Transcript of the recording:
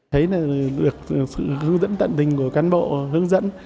thấy được sự hướng dẫn tận tình của cán bộ hướng dẫn